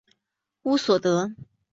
乌索德。